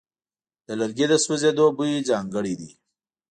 د لرګي د سوځېدو بوی ځانګړی دی.